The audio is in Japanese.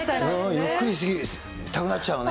ゆっくりしたくなっちゃうよね。